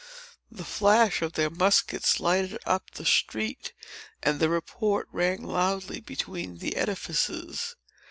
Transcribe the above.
The flash of their muskets lighted up the street, and the report rang loudly between the edifices.